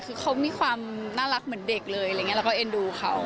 คือเขามีความน่ารักเหมือนเด็กเลยอะไรอย่างนี้เราก็เอ็นดูเขา